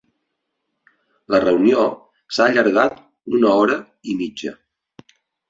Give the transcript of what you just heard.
La reunió s’ha allargat una hora i mitja.